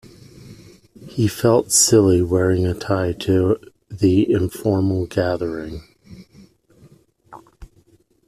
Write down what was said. He felt silly wearing a tie to the informal gathering.